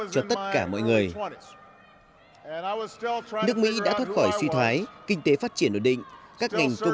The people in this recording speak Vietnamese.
cho tất cả mọi người nước mỹ đã thoát khỏi suy thoái kinh tế phát triển ổn định các ngành công